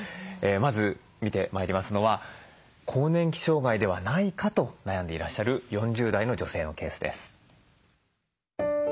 まず見てまいりますのは更年期障害ではないかと悩んでいらっしゃる４０代の女性のケースです。